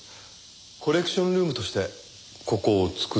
コレクションルームとしてここを造ったとか？